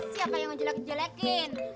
siapa yang ngejelek jelekin